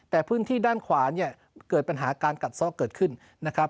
แต่พื้นที่ด้านขวาเนี่ยเกิดปัญหาการกัดซ่อเกิดขึ้นนะครับ